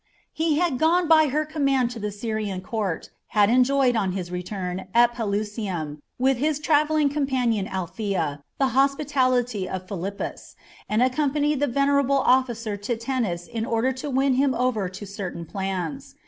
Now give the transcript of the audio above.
He had gone by her command to the Syrian court, had enjoyed on his return, at Pelusium, with his travelling companion Althea, the hospitality of Philippus, and accompanied the venerable officer to Tennis in order to win him over to certain plans.